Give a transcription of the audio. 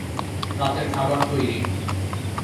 রাতের খাবার তৈরি।